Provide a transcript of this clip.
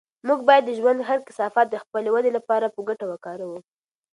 موږ باید د ژوند هر کثافت د خپلې ودې لپاره په ګټه وکاروو.